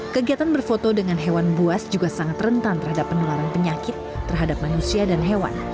kegiatan berfoto dengan hewan buas juga sangat rentan terhadap penularan penyakit terhadap manusia dan hewan